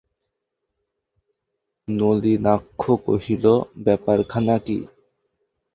নলিনাক্ষ কহিল, ব্যাপারখানা কী?